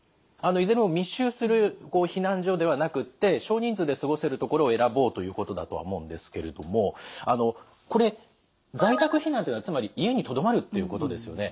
いずれも密集する避難所ではなくて少人数で過ごせる所を選ぼうということだとは思うんですけれどもあのこれ在宅避難というのはつまり家にとどまるということですよね。